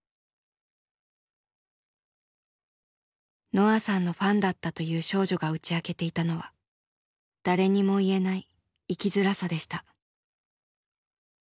のあさんのファンだったという少女が打ち明けていたのは誰にも言えない生きづらさでした。